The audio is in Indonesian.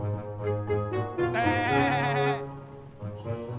kambingnya siapa john